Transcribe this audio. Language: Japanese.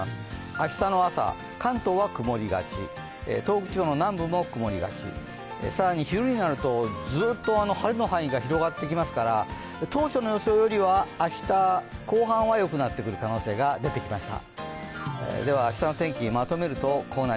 明日の朝、関東は曇りがち東北地方の南部も曇りがち更に昼になるとずっと晴れの範囲が広がってきますから当初の予想よりは明日、後半は良くなってくる可能性が出てきました。